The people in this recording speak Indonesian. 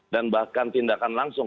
dan bahkan tindakan langsung